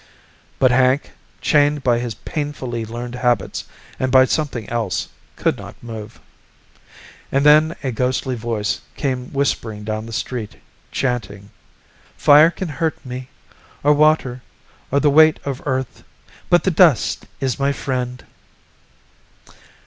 But Hank, chained by his painfully learned habits and by something else, could not move. And then a ghostly voice came whispering down the street, chanting, "Fire can hurt me, or water, or the weight of Earth. But the dust is my friend."